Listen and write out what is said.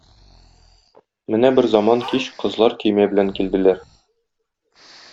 Менә берзаман кич кызлар көймә белән килделәр.